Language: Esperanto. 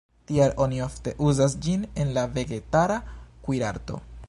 Tial oni ofte uzas ĝin en la vegetara kuirarto.